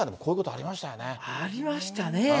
ありましたねぇ。